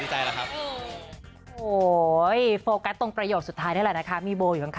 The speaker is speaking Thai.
ฉันก็ไม่ต้องเสียเงินจะสินะ